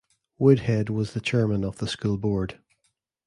Woodhead was the chairman of the school board.